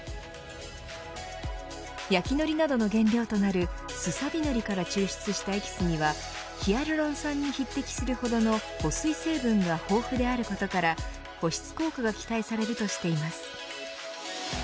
焼きのりなどの原料となるスサビノリから抽出したエキスにはヒアルロン酸に匹敵するほどの保水成分が豊富であることから保湿効果が期待されるとしています。